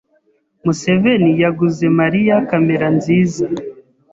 Museveni yaguze Mariya kamera nziza.